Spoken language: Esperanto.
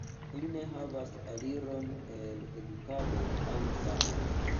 Ili ne havas aliron al edukado aŭ sano.